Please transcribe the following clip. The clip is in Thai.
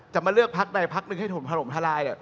จะมาเลือกภักดิ์ได้ภักดิ์หนึ่งให้ถูกหลมทะลาย